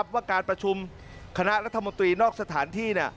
ว่าการประชุมคณะรัฐมนตรีนอกสถานที่